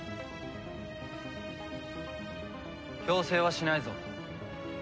強制はしないぞ。